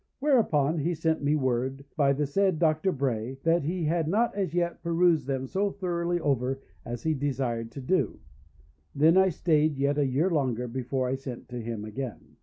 Whereupon he sent me word by the said Dr. Bray, that he had not as yet perused them so thoroughly over as he desired to do; then I stayed yet a year longer before I sent to him again.